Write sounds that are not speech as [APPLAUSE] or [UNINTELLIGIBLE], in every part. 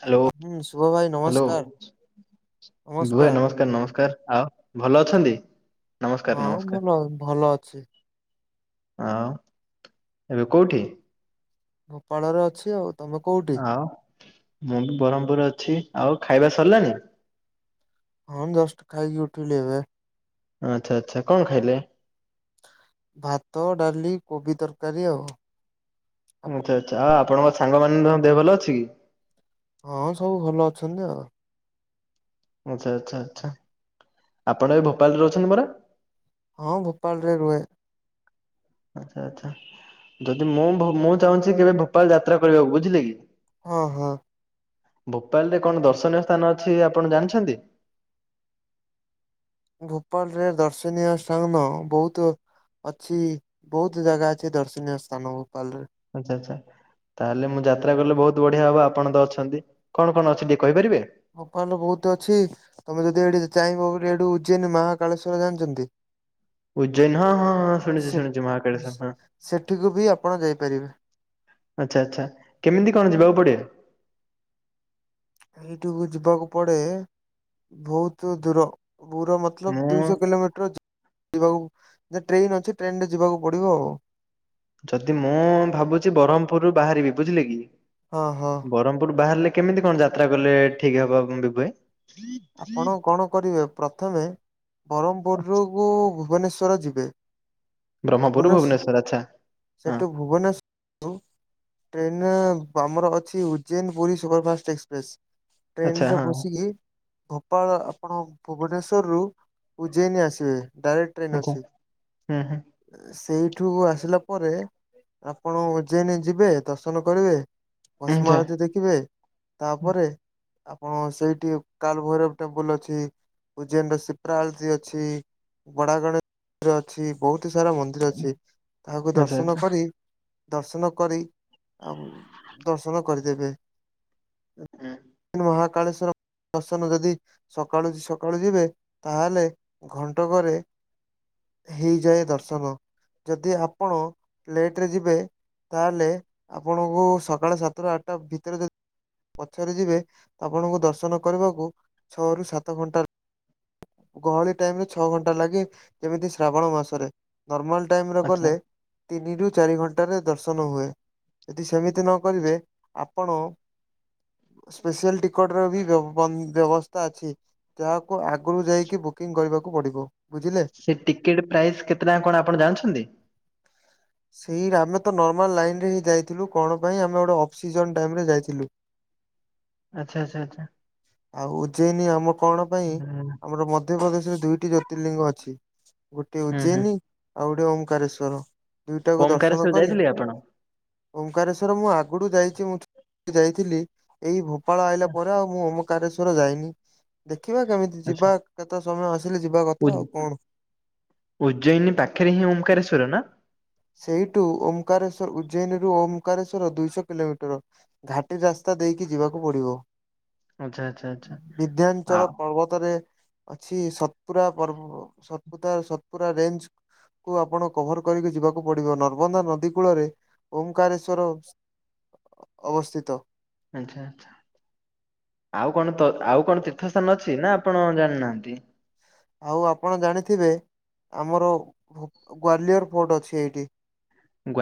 Hello ହୁଁ ଶୁଭ ଭାଇ ହ୍ୟାଲୋ, ନମସ୍କାର ବିଭୁ ଭାଇ ନମସ୍କାର ନମସ୍କାର ଆଉ ଭଲ ଅଛନ୍ତି? ନମସ୍କାର ହଁ ନମସ୍କାର। ଭଲ ଭଲ ଅଛି। ଆଉ ଏବେ କୋଉଠି? ଭୋପାଳରେ ଅଛି ଆଉ, ତମେ କୋଉଠି? ଆଉ ମୁଁ ବି ବ୍ରହ୍ମପୁର ଅଛି, ଆଉ ଖାଇବା ସରିଲାନି? ହଁ ଉଷ୍ଟ ଖାଇକି ଉଠିଲି ଏବେ। ଆଛା ଆଚ୍ଛା କଣ ଖାଇଲେ? ଭାତ ଡାଲି କୋବି ତରକାରୀ ଆଉ। ଆପଣ? ଆଚ୍ଛା ଆଚ୍ଛା ଆଉ ଆପଣଙ୍କ ସାଙ୍ଗମାନଙ୍କ ଦେହ ଭଲ ଅଛି କି? ହଁ ସବୁ ଭଲ ଅଛନ୍ତି ଆଉ। ଆଚ୍ଛା ଆଚ୍ଛା ଆଚ୍ଛା, ଆପଣ ଏବେ ଭୋପାଳରେ ଅଛନ୍ତି ପରା? ହଁ ଭୋପାଳରେ ରୁହେ। ଆଛା ଆଚ୍ଛା, ଯଦି ମୁଁ ମୁଁ ଚାହୁଁଛି କେବେ ଭୋପାଳ ଯାତ୍ରା କରିବାକୁ ବୁଝିଲେ କି? ହଁ ହଁ। ଭୋପାଳରେ କଣ ଦର୍ଶନୀୟ ସ୍ଥାନ ଅଛି ଆପଣ ଜାଣିଛନ୍ତି? ଭୋପାଳରେ ଦର୍ଶନୀୟ ସ୍ଥାନ ବହୁତ ଅଛି ବହୁତ ଜାଗା ଅଛି ଦର୍ଶନୀୟ ସ୍ଥାନ ଭୋପାଳରେ। ଆଚ୍ଛା ଆଚ୍ଛା। ତାହେଲେ ମୁଁ ଯାତ୍ରା କଲେ ବହୁତ ବଢିଆ ହବ ଆପଣ ତ ଅଛନ୍ତି, କଣ କଣ ଅଛି ଟିକେ କହିପାରିବେ? ଭୋପାଳରେ ବହୁତ ଅଛି। ତମେ ଯଦି ଏଠି ଚାହିଁବ ଏଇଠି ଉଜେନି ମାହାକାଳେଶ୍ୱର ଜାଣିଛନ୍ତି? ଉଜ୍ଜୈନ ହଁ ହଁ ହଁ ଶୁଣିଛି ସେ ଶୁଣିଛି ମହାକାଳେସ୍ୱର ହଁ। ସେଠିକୁ ବି ଆପଣ ଯାଇପାରିବେ। ଆଚ୍ଛା ଆଚ୍ଛା କେମିତି କଣ ଯିବାକୁ ପଡେ? ସେଇଠିକୁ ଯିବାକୁ ପଡେ ବହୁତ ଦୂର ଦୁର ମତଲବ୍ ମୁଁ ଦୁଇ ଶହ କିଲୋମିଟର ଯି ଯିବାକୁ ଟ୍ରେନ୍ ଅଛି ଟ୍ରେନରେ ଯିବାକୁ ପଡିବ ଆଉ। ଯଦି ମୁଁ ଭାବୁଛି ବ୍ରହ୍ମପୁରରୁୁ ବାହାରିବି ବୁଝିଲେ କି, ହଁ ହଁ ବ୍ରହ୍ମପୁରରୁ ବାହାରିଲେ କେମିତି କଣ ଯାତ୍ରା କଲେ ଠିକ୍ ହବ ବିଭୁ ଭାଇ? ଆପଣ କଣ କରିବେ ପ୍ରଥମେ ବ୍ରହ୍ମପୁରରୁ ରୁ ଭୁବନେଶ୍ଵର ଯିବେ ବ୍ରହ୍ମପୁର ଭୁବନେସ୍ୱର ଭୁବନେଶ୍ଵର ଆଚ୍ଛା ହଁ ସେଠୁ ଭୁବନେଶ୍ୱରରୁ ଟ୍ରେନ୍ ଆମର ଅଛି ଉଜୈନ୍ ପୁରୀ ସୁପରଫାଷ୍ଟ୍ ଏକ୍ସପ୍ରେସ୍ ଆଚ୍ଛା ଟ୍ରେନରେ ହଁ ବସିକି ଭୋପାଳ ଆପଣ ଭୁବନେଶ୍ୱରରୁ ଉଜୟନୀ ଆସିବେ ଡାଇରେକ୍ଟ୍ ଟ୍ରେନ୍ ଆଚ୍ଛା ଅଛି। ହୁଁ ହୁଁ ସେଇଠୁ ଆସିଲା ପରେ ଆପଣ ଉଜେନ୍ ଯିବେ, ଦର୍ଶନ କରିବେ। ଭସ୍ମ ଆଚ୍ଛା ଆଳତୀ ଦେଖିବେ ତାପରେ ଆପଣ ସେଇଠି କାଲଭୈରବ ଟେମ୍ପଲ ଅଛି, ଉଜ୍ଜୈନର ସିପ୍ରା ଆଳତି ଅଛି, ବଡ଼ା ଗଡେ ମନ୍ଦିର ଅଛି ବହୁତ୍ ସାରା ମନ୍ଦିର ଅଛି ତାହାକୁ ଆଚ୍ଛା ଆଚ୍ଛା ଦର୍ଶନ ହୁଁ କରି ଦର୍ଶନ କରି ଆଉ ଦର୍ଶନ କରିଦେବେ। ହୁଁ। ମହାକାଳେସ୍ଵରଙ୍କ ଦର୍ଶନ ଯଦି ସକାଳୁ ସକାଳୁ ଯିବେ ତାହେଲେ ଘଣ୍ଟକରେ ହେଇଯାଏ ଦର୍ଶନ। ଯଦି ଆପଣ ଲେଟ୍ ରେ ଯିବେ ତାହେଲେ ଆପଣଙ୍କୁ ସକାଳ ସାତ ଟା ଆଠଟା ଭିତରେ ଯଦି ପଛରେ ଯିବେ ଆପଣଙ୍କୁ ଦର୍ଶନ କରିବାକୁ ଛଅ ରୁ ସାତ ଘଣ୍ଟା ଗହଳି ଟାଇମ୍ ରେ ଛଅ ଘଣ୍ଟା ଲାଗେ ଯେମିତି ଶ୍ରାବଣ ମାସରେ ନର୍ମାଲ୍ ଟାଇମ୍ ଆଚ୍ଛା ଗଲେ ତିନିରୁ ଚାରି ଘଣ୍ଟାରେ ଦର୍ଶନ ହୁଏ, ଯଦି ସେମିତି ସେମିତି ନ କରିବେ ଆପଣ ସ୍ପେଶିଆଲ୍ ଟିକଟ୍ ର ବି ବ ବ୍ୟବସ୍ଥା ଅଛି। ଯହାକୁ ଆଗରୁ ଯାଇକି ବୁକିଂ କରିବାକୁ ପଡିବ। ବୁଝିଲେ ସେ ଟିକେଟ୍ ପ୍ରାଇଜ୍ କେତେ ଟଙ୍କା କଣ ଆପଣ ଜାଣିଛନ୍ତି? ସେଇ ଆମେ ତ ନର୍ମାଲ୍ ଲାଇନ୍ ରେ ହିଁ ଯାଇଥିଲୁ କଣ ପାଇଁ ଆମେ ଗୋଟେ ଅଫସିଜନ୍ ଟାଇମ ରେ ଯାଇଥିଲୁ। ଆଚ୍ଛା, ଆଚ୍ଛା, ଆଚ୍ଛା। ଆଉ ଉଜୟନୀ ଆମ କଣ ପାଇଁ ହୁଁ ଆମର ମଧ୍ୟପ୍ରଦେଶରେ ଦୁଇଟି ଜ୍ୟୋତିର୍ଲିଙ୍ଗ ଅଛି। ଗୋଟେ ହୁଁ ହୁଁ ଉଜୟନୀ ଆଉ ଗୋଟେ ଓକାରେଶ୍ଵର ଦୁଇଟାକୁ ଦର୍ଶନ ଓମକାରେଶ୍ୱର କରି ଯାଇଥିଲେ ଆପଣ? ଓଙ୍କେଶ୍ଵର ମୁଁ ଆଗରୁୁ ଯାଇଛି। ମୁଁ ଯାଇଥିଲି ଏଇ ଭୋପାଳ ଆଇଲା ପରେ ଆଉ ମୁଁ ଓମକାରେଶ୍ଵର ଯାଇନି, ଦେଖିବା କେମିତି ଆଚ୍ଛା ଯିବା କେତେ ସମୟ ଆସିଲେ ଯିବା କଥା ଆଉ କଣ? ଉଜ୍ଜୟିନୀ ପାଖରେ ହିଁ ଓମାକାରେଶ୍ୱର ନା? ସେଇଠୁ ଓମକାରେଶ୍ଵର ଉଜ୍ଜୟନୀରୁ ଓମକାରଶ୍ୱର ଦୁଇଶହ କିଲୋମିଟର। ଘା ସେଇ ରାସ୍ତା ଦେଇକି ଯିବାକୁ ପଡିବ। ଆଚ୍ଛା ଆଚ୍ଛା ଆଚ୍ଛା ବିଧାଞ୍ଚଳ ଆଉ ପର୍ବତରେ ଅଛି। ସତପୁରା ପର୍ବ ସପ ସତପୁରା ରେଞ୍ଜ କୁ ଆପଣ କଭର କରିକି ଯିବାକୁ ପଡିବ, ନର୍ମଦା ନଦୀ କୂଳରେ ଓମକାରେଶ୍ଵର ଅବସ୍ଥିତ। ଆଚ୍ଛା, ଆଚ୍ଛା। ଆଉ କଣ ତ ଆଉ କଣ ତୀର୍ଥସ୍ଥାନ ଅଛି ନା ଆପଣ ଜାଣିନାହାନ୍ତି? ଆଉ ଆପଣ ଜାଣିଥିବେ ଆମର ଗ୍ଵାଲିୟର କୋଡ଼ ଅଛି ଏଇଠି।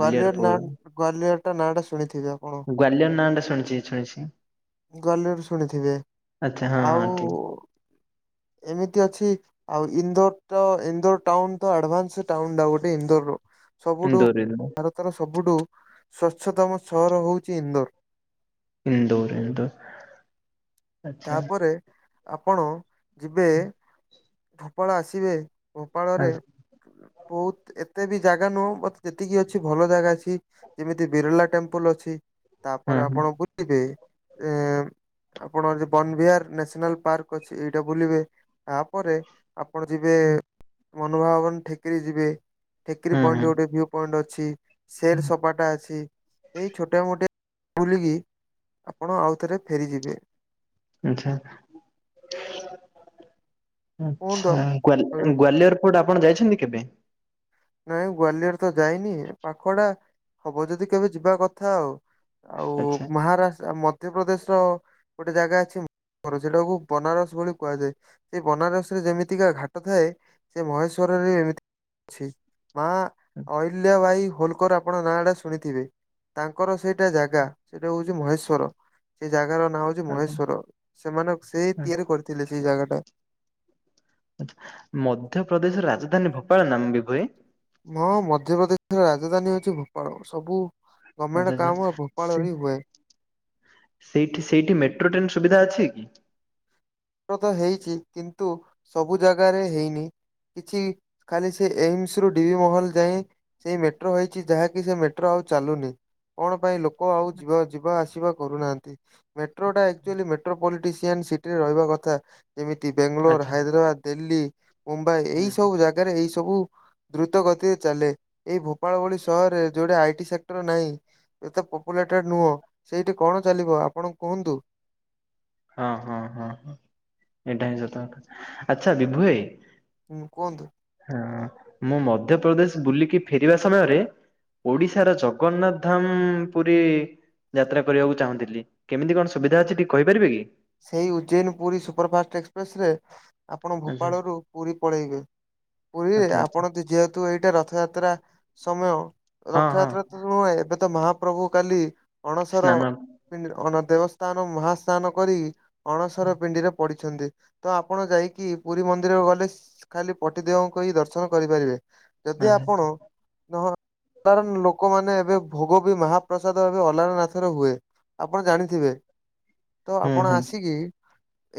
ଗ୍ଵାଲିୟର ନାଁ ଗ୍ବାଲିୟର ଟା ନାଁ ଟା ଶୁଣିଥିବେ ଆଉ? ଗ୍ବାୟଲିୟର ନାଁ ଟା ଶୁଣିଛି ଶୁଣିଛି। ଗ୍ଵାଲିୟର ଶୁଣିଥିବେ ଆଚ୍ଛା ହଁ ହଁ ଆଉ ଠିକ। ଏମିତି ଅଛି। ଆଉ ଇନ୍ଦୋର ଟା ଇନ୍ଦୋର ଟାଉନ ତ ଆଡଭାନ୍ସ ଟାଉନ ଟା ଗୋଟେ ଇନ୍ଦୋର। ସବୁଠୁ ଇନ୍ଦୋର ଇନ୍ଦୋର ଭାରତର ସବୁଠୁ ସ୍ୱଚ୍ଛତମ ସହର ହଉଛି ଇନ୍ଦୋର। ଇନ୍ଦୋର, ଇନ୍ଦୋର। ଆଚ୍ଛା ତାପରେ ଆପଣ ଯିବେ? ଭୋପାଳ ଆସିବେ ଭୋପାଳରେ ଆଚ୍ଛା ବହୁତ ଏତେ ବି ଜାଗା ନୁହଁ ମତେ ଯେତିକି ଅଛି ଭଲ ଜାଗା ଅଛି। ଯେମିତି ବିରଲା ଟେମ୍ପଲ ଅଛି। ହଁ ତାପରେ ହଁ ଆପଣ ବୁ [UNINTELLIGIBLE] ବେ ଆପଣ ବନବହାର ନ୍ୟାସନାଲ ପାର୍କ ଅଛି ଏଇଟା ବୁଲିବେ, ତାପରେ ଆପଣ ଯିବେ ମନଭବନ ଠେକିରୀ ଯିବେ, ଠେକିରୀ ହଁ ହଁ। ପଏଣ୍ଟ ଗୋଟେ ଭ୍ୟୁ ପଏଣ୍ଟ ଅଛି। ସେର ସୋପାଟା ଅଛି। ଏଇ ଛୋଟ ମୋଟେ ବୁଲିକି ଆପଣ ଆଉ ଥରେ ଫେରିଯିବେ। ଆଚ୍ଛା। କୁହନ୍ତୁ ଆଚ୍ଛା, ଗ ଆପଣ ଗ୍ଵଲିୟର କୋଉଟା ଆପଣ ଯାଇଛନ୍ତି କେବେ? ନାଇଁ ଗ୍ଵାଲିୟର ତ ଯାଇନି ପାଖଡା ହବ ଯଦି କେବେ ଯିବା କଥା ଆଉ। ଆଉ ଆଚ୍ଛା ମହାରାଷ୍ଟ୍ର ମଧ୍ୟପ୍ରଦେଶର ଗୋଟେ ଜାଗା ଅଛି ବର୍ଜିଲାକୁ ବନାରସ ବୋଲି କୁହାଯାଏ। ସେ ବନାରସ ରେ ଯେମିତିକା ଘାଟ ଥାଏ ସେ ମହେଶ୍ଵରରେ ଏମିତି ଅଛି। ମା ଅଲ୍ୟ ଭାଇ ହୋଲକର ଆପଣ ନାଁ ଟା ଶୁଣିଥିବେ? ତାଙ୍କର ସେଇଟା ଜାଗା ସେଇଟା ହଉଛି ମହେଶ୍ଵର ସେ ଜାଗାର ନାଁ ହଉଚି ଆଚ୍ଛା ଆଚ୍ଛା। ମହେଶ୍ଵର ସେମାନେ ସେଇ ତିଆରି କରିଥିଲେ ସେଇ ଜାଗା ଟା। ଧ୍ୟପ୍ରଦେଶର ରାଜଧାନୀ ଭୋପାଳ ନାମ ବି ହୁଏ। ହଁ ମଧ୍ୟପ୍ରଦେଶର ରାଜଧାନୀ ହଉଛି ଭୋପାଳ ସବୁ ଆଚ୍ଛା ଗଭର୍ଣ୍ଣମେଣ୍ଟ ଆଚ୍ଛା। କାମ ସେ ଭୋପାଳରେ ହୁଏ। ସେଇଠି ସେଇଠି ମେଟ୍ରୋ ଟ୍ରେନ ସୁବିଧା ଅଛି? ତ ହେଇଛି କିନ୍ତୁ ସବୁ ଜାଗାରେ ହେଇନି। କିଛି ଖାଲି ସେ ଏମସ ରୁ ଡିଭି ମହଲ ଯାଏ। ସେଇ ମେଟ୍ରୋ ହେଇଛି ଯାହାକି ସେ ମେଟ୍ରୋ ଆଉ ଚାଲୁନି। କଣ ପାଇଁ ଲୋକ ଆଉ ଯିବା ଯିବା ଆସିବା କରୁନାହାନ୍ତି। ମେଟ୍ରୋ ଟା ଆକ୍ଚୁଆଲି ମେଟ୍ରୋପଲିଟିସିଆନ୍ ସିଟିରେ ରହିବା କଥା। ଦା ଯେମିତି ବାେଙ୍ଗାଲୋର ଆଚ୍ଛା ହାଇଦ୍ରାବାଦ ଦିଲ୍ଲୀ ମୁମ୍ବାଇ ହଁ ଏଇ ସବୁ ଜାଗାରେ ଏଇ ସବୁ ଦ୍ରୁତ ଗତିରେ ଚାଲେ ଏଇ ଭୋପାଳ ଭଳି ସହରରେ ଯୋଉଟେ ଆଇ ଟି ସେକ୍ଟର ନାହିଁ। ଏତେ ପପୁଲେଟଡ ନୁହଁ ସେଇଠି କଣ ଚାଲିବ ଆପଣ କୁହନ୍ତୁ? ହଁ ହଁ ହଁ ହଁ ଏଇଟା ହିଁ ସତ କଥା ଆଚ୍ଛା ବିଭୁ ଭାଇ ହୁଁ କୁହନ୍ତୁ? ହଁ ମୁଁ ମଧ୍ୟପ୍ରଦେଶ ବୁଲିକି ଫେରିବା ସମୟରେ ଓଡିଶାର ଜଗନ୍ନାଥ ଧାମ ପୁରୀ ଯାତ୍ରା କରିବାକୁ ଚାହୁଁଥିଲି କେମିତି କଣ ସୁବିଧା ଅଛି ଟିକେ କହିପାରିବେ କି? ସେଇ Ujjain Puri super fast express ରେ ଆପଣ ଆଚ୍ଛା ଭୋପାଳରୁୁ ପୁରୀ ପଳେଇବେ ପୁରୀରେ ଆଚ୍ଛା ଆଚ୍ଛା ଆପଣ ଯେହେ କିନ୍ତୁ ଏଇଟା ରଥଯାତ୍ରା ସମୟ ହଁ ହଁ ରଥଯାତ୍ରା ତ ନୁହେଁ ଏବେ ତ ମହାପ୍ରଭୁ କାଲି ଅଣସର ସ୍ନାନ ଅ ଦେବସ୍ନାନ ମହାସ୍ନାନ କରି ଅଣସର ପିଣ୍ଡିରେ ପଡିଛନ୍ତି ତ ଆପଣ ଯାଇକି ପୁରୀ ମନ୍ଦିର ଗଲେ ଖାଲି ପଟିଦେହଙ୍କୁ ହିଁ ଦର୍ଶନ କରିପାରିବେ ଯଦି ଆଚ୍ଛା, ଆପଣ ନହ ଅଲଣ ଲୋକମାନେ ଏବେ ଭୋଗ ବି ମହାପ୍ରସାଦ ଏବେ ଅଲାର ନାଥରେ ହୁଏ। ଆପଣ ଜାଣିଥିବେ? [INAUDIBLE] ତ ଆପଣ ଆସିକି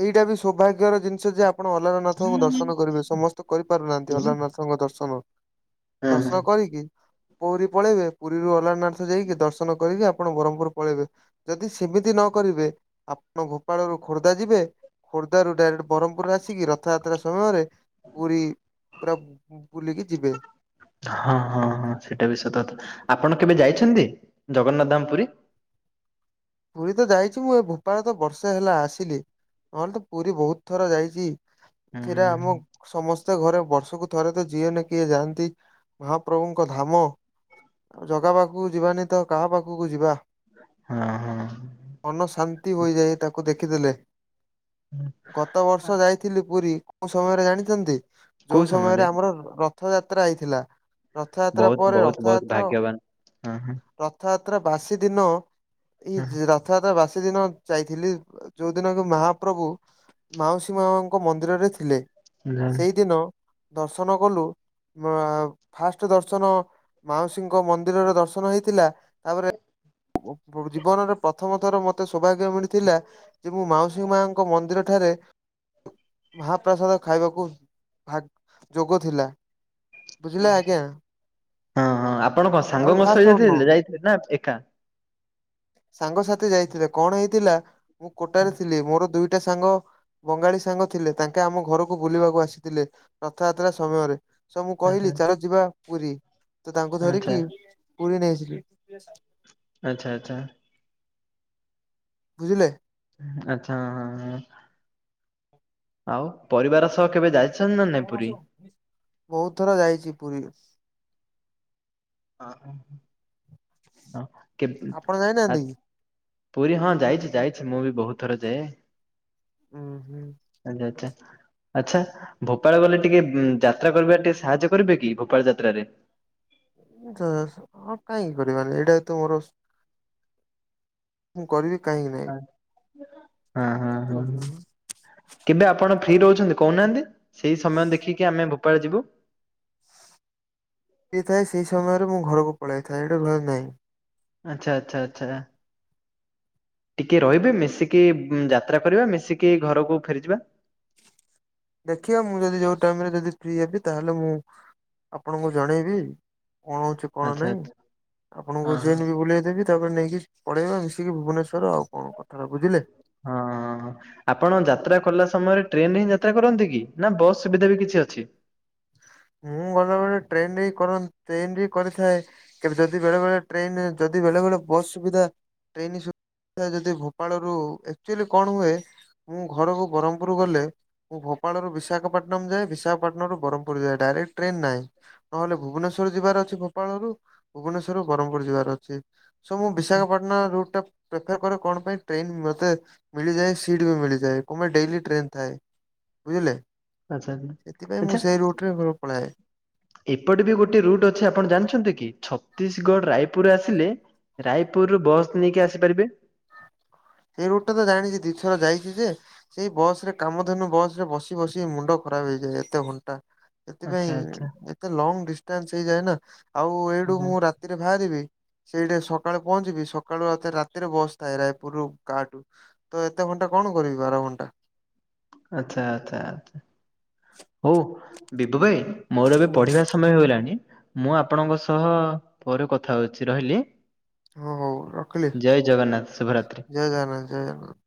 ଏଇଟା ବି ସୌଭାଗ୍ୟର ଜିନିଷ ଯେ ଆପ ଆପଣ ଅଲାରନାଥଙ୍କୁ ଦର୍ଶନ କରିବେ ସମସ୍ତେ କରିପାରୁନାହାନ୍ତି ହୁଁ ଅଲାରନାଥଙ୍କ ଦର୍ଶନ। ହୁଁ ଦର୍ଶନ କରିକି ପୁରୀ ପଳେଇବେ ପୁରୀରୁ ଅଲାରନାଥ ଯାଇକି ଦର୍ଶନ କରିକି ଆପ ଆପଣ ବ୍ରହ୍ମପୁର ପଳେଇବେ ଯଦି ସେମିତି ନ କରିବେ ଆପଣ ଗୋପାଳରୁ ଖୋର୍ଦ୍ଧା ଯିବେ ଖୋର୍ଦ୍ଧ ରୁ ଡାଇରେକ୍ଟ ବ୍ରହ୍ମପୁରରେ ଆସିକି ରଥଯାତ୍ରା ସମୟରେ ପୁରୀ ପୁରା ବୁଲିକି ଯିବେ। ହଁ ହଁ ହଁ ହଁ ସେଟା ବି ସତକଥା ଆପଣ କେବେ ଯାଇଛନ୍ତି ଜଗନ୍ନାଥ ଧାମ ପୁରୀ? ପୁରୀ ତ ଯାଇଛି ମୁଁ ଏ ଗୋପାଳ ତ ବର୍ଷେ ହେଲା ଆସିଲି। ନହେଲେ ତ ପୁରୀ ବହୁତ ଥର ଯାଇଛି। ହୁଁ ସେରା ଆମ ସମସ୍ତେ ଘରେ ବର୍ଷକୁ ଥରେ ତ ଯିଏହେନେ କିଏ ଯାଆନ୍ତି। ମହା ପ୍ରଭୁଙ୍କ ଧାମ ଜଗା ପାଖକୁ ଯିବାନି ତ କାହା ପାଖକୁ ଯିବା। ହଁ ହଁ। ମନ ଶାନ୍ତି ହୋଇଯାଏ ତାକୁ ଦେଖିଦେଲେ। ଗତ ବର୍ଷ ଯାଇଥିଲି ପୁରୀ କୋଉ ସମୟରେ ଜାଣିଛନ୍ତି? ଯୋଉ ସମୟରେ ଆମର ରଥ ଯାତ୍ରା ହେଇଥିଲା। ରଥଯାତ୍ରା ବହୁତ ପରେ ବହୁତ ବହୁତ ରଥଯାତ୍ରା ଭାଗ୍ୟବାନ ହଁ ରଥଯାତ୍ରା ବାସି ଦିନ ହଁ। କି ରଥଯାତ୍ରା ବାସି ଦିନ ଯାଇଥିଲି ଯୋଉଦିନ କୁ ମହାପ୍ରଭୁ ମାଉସୀ ମାଙ୍କ ମନ୍ଦିରରେ ଥିଲେ ହଁ ସେଇଦିନ ଦର୍ଶନ କଲୁ ଫାଷ୍ଟ ଦର୍ଶନ ମାଉସୀଙ୍କ ମନ୍ଦିରରେ ଦର୍ଶନ ହେଇଥିଲା ତାପରେ [UNINTELLIGIBLE] ଜୀବନରେ ପ୍ରଥମ ଥର ମତେ ସୌଭାଗ୍ୟ ମିଳିଥିଲା ଯେ ମୁଁ ମାଉସୀ ମାଙ୍କ ମନ୍ଦିର ଠାରେ ମହାପ୍ରାସାଦ ଖାଇବାକୁ ଭାଗ୍ୟ ଯୋଗ ଥିଲା। ବୁଝିଲେ ଆଜ୍ଞା। ଆପଣଙ୍କ ଆହୁରି ସାଙ୍ଗଙ୍କ ଫାଷ୍ଟ ସହିତ ଅନ୍ନ ଯାଇଥିଲେ ନା ଏକା? ସାଙ୍ଗସାଥି ଯାଇଥିଲେ କଣ ହେଇଥିଲା ମୁଁ ଗୋଟାରେ ଥିଲି ମୋର ଦୁଇଟା ସାଙ୍ଗ ବଙ୍ଗାଳୀ ସାଙ୍ଗ ଥିଲେ ତାଙ୍କେ ଆମ ଘରକୁ ବୁଲିବାକୁ ଆସିଥିଲେ ରଥଯାତ୍ରା ସମୟରେ ମୁଁତ ଆଚ୍ଛା କହିଲି ଚାଲ ଯିବା ପୁରୀ ତ ତାଙ୍କୁ ଆଚ୍ଛା ଧରିକି ପୁରୀ ନେଇଥିଲି। ଆଚ୍ଛା ଆଚ୍ଛା। ବୁଝିଲେ। ଆଚ୍ଛା ହଁ ହଁ। ଆଉ ପରିବାର ସହ କେବେ ଯାଇ ବହୁତ ଥର ଯାଇଛି ପୁରୀ। ହଁ ହଁ କେ ଆପଣ ଆ- ଯାଇନାହାନ୍ତି କି? [UNINTELLIGIBLE] ପୁରୀ ହଁ ଯାଇଛି ଯାଇଛି ମୁଁ ବି ବହୁତ ଥର ଯାଏ। ଉଁ ହୁଁ ଆଛା [UNINTELLIGIBLE] ଆଚ୍ଛା ଗୋପାଳ ଗଲେ ଟିକେ ମୁଁ ଯାତ୍ରା କରିବାରେ ଟିକେ ସାହାଯ୍ୟ କରିବେ କି ଗୋପାଳ ଯାତ୍ରାରେ। [UNINTELLIGIBLE] କଣ ପାଇଁ କରିବାନି ଏଇଟା ତ ମୋର ମୁଁକରିବି କହିଁକିନା? ଆ ହୁଁ ହୁଁ ହୁଁ। କେବେ ଆପଣ ଫ୍ରି ରହୁଛନ୍ତି କହୁନାହାନ୍ତି ସେଇ ସମୟ ଦେଖିକି ଆମେ ଗୋପାଳ ଯିବୁ। ଫ୍ରି ଥାଏ ସେଇ ସମୟରେ ମୁଁ ଘରକୁ ପଳେଇଥାଏ ହେଠି ରୁହେ ନାହଁ। ଆଚ୍ଛା ଆଚ୍ଛା ଆଚ୍ଛା। ଟିକେ ରହିବେ ମିଶିକି ଯାତ୍ରା କରିବା ମିଶିକି ଘରକୁ ଫେରିଯିବା। ଦେଖିବା ମୁଁ ଯଦି ଯୋଉ ଟାଇମରେ ଯଦି ଫ୍ରି ହେବି ତାହେଲେ ମୁଁ ଆପଣଙ୍କୁ ଜଣେଇବି କଣ ହଉଛି କଣ ଆଚ୍ଛା ନାହିଁ ଆଚ୍ଛା ଆପଣଙ୍କୁ ହଁ ସେ ନେଇ ବୁଲେଇ ଦେବି। ତାପରେ ନେଇକି ପଳେଇବା ମିଶିକି ଭୁବନେଶ୍ଵର ଆଉ କଣ କଥା ବୁଝିଲେ କି। ହଁ ହଁ ହଁ।। ଆପଣ ଯାତ୍ରା କଲା ସମୟରେ ଟ୍ରେନରେ ହିଁ ଯାତ୍ରା କରନ୍ତି କି ନା ବସ୍ ସୁବିଧା ବି କିଛି ଅଛି। ମୁଁ ଗଲାବେଳେ ଟ୍ରେନ ରେ କରନ୍ତି ଟ୍ରେନ କରିଥାଏ। କେବେ ଯଦି ବେଳେ ବେଳେଟ୍ରେନ ଯଦି ବେଳେ ବେଳ ବସ୍ ସୁବିଧା ଟ୍ରେନ ସୁବିଧାଯଦି ଗୋପାଳ ରୁ ଆକୁଆଲି କଣ ହୁଏ? ମୁଁଘରକୁ ବ୍ରହ୍ମପୁର ଗଲେ ଗୋପାଳରୁ ବିଶାଖପାଟନମ ଯାଏ ବିଶାଖାପାଟଣମରୁ ବ୍ରହ୍ମପୁର। ପୁରୀ ରେ ଡାଇରେକ୍ଟ ଟ୍ରେନ ନାଇ। ନହେଲେ ଭୁବନେଶ୍ଵର ଯିବାର ଅଛି ଭୋପାଳରୁ ଭୁବନେଶ୍ଵରରୁ ବ୍ରହ୍ମପୁର ଯିବାର ଅଛି। ସବୁ ଆଚ୍ଛା ବିଶାଖାପାଟଣା ରୁଟ୍ ଟା ବେକାର କରେ କଣ ପାଇଁ ଟ୍ରେନ ବୋଧେ ମିଳିଯାଏ ସିଟ ବି ମିଳିଯାଏ କମ ପାଇଁ ଡେ଼ଲି ଟ୍ରେନ ଥାଏ ବୁଝିଲେ। ଆଛା, ଆଛା। ଟ୍ରେ ଘରୁକୁ ପଳାଏ। ଏପଟେ ବି ଗୋଟେ ରୁଟ ଅଛି ଆପଣ ଜାଣିଛନ୍ତି କି? ଛତିଶଗଡ଼, ରାୟପୁର ଆସିଲେ ରାୟପୁରରୁୁ ବସ୍ ନେଇକି ଆସିପାରିବେ! ସେଇ ରୁଟଟା ତ ଜାଣିଛି, ଦିଇଥର ଯାଇଛି ଯେ! ସେଇ ବସ୍ ରେ କାମଧେନୁ ବସ୍ ରେ ବସି ବସି ମୁଣ୍ଡ ଖରାପ ହେଇଯାଏ, ଏତେ ଘଣ୍ଟା। ସେଥିପାଇଁ ଆଚ୍ଛା ଆଚ୍ଛା ଏତେ ଲଙ୍ଗ ଡି଼ଷ୍ଟାନ୍ସ ହେଇଯାଏ ନା ଆଉ ଏଇଠୁ ଆଚ୍ଛା ମୁଁ ରାତ ରାତିରେ ବାହାରିବି ସେଇଟି ସକାଳୁ ପହଞ୍ଚିବି ସକାଳୁ ଆଉ ଥରେ ରାତିରେ ବସ୍ ଥାଏ, ରାୟପୁରରୁୁ କାଠୁ ତ ଏତେ ଘଣ୍ଟା କଣ କରିବି ବାର ଘଣ୍ଟା? ଆଚ୍ଛା, ଆଚ୍ଛା, ଆଛା ହଉ ବିିବୁ ଭାଇ! ମୋର ଏବେ ହୁଁ। ପଢିବା ସମୟ ହେଇଲାଣି। ମୁଁ ଆପଣଙ୍କ ସହ ପରେ କଥା ହଉଛି ରହିଲି। ହଁ ହଉ ରଖିଲି। ଜୟ ଜଗନ୍ନାଥ ଶୁଭରାତ୍ରି। ଜୟ ଜଗନ୍ନାଥ ଜୟ ଜଗନ୍ନାଥ।